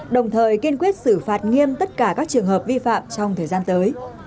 đồng thời kiên quyết xử phạt nghiêm tất cả các trường hợp vi phạm trong thời gian tới